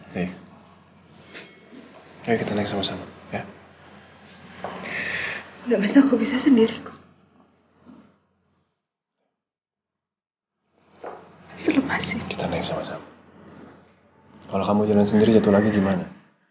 setidaknya kalau kamu jalan sendiri jatuh lagi gimana